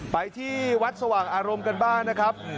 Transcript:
ไปที่วัดสว่างอารมณ์กันบ้างนะครับ